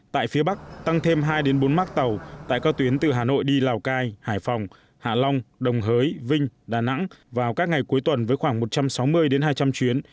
tại phía bắc tăng thêm hai bốn mác tàu tại các tuyến từ hà nội đi lào cai hải phòng hạ long đồng hới vinh đà nẵng vào các ngày cuối tuần với khoảng một trăm sáu mươi hai trăm linh chuyến